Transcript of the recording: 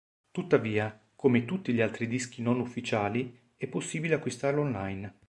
Tuttavia, come tutti gli altri dischi non ufficiali, è possibile acquistarlo online.